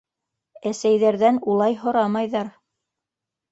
Әсәйҙәрҙән улай һорамайҙар.